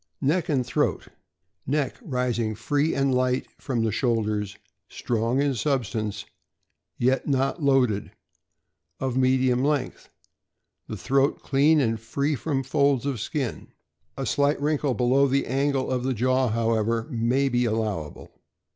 Neck and throat. — Neck rising free and light from the shoulders, strong in substance, yet not loaded, of medium length. The throat clean and free from folds of skin; a slight wrinkle below the angle of the jaw, however, may be allowable.